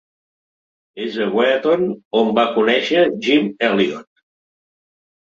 És a Wheaton on va conèixer Jim Elliot.